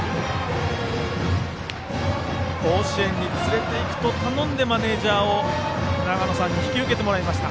甲子園に連れていくと頼んでマネージャーを永野さんに引き受けてもらいました。